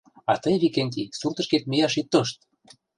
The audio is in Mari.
— А тый, Викентий, суртышкет мияш ит тошт!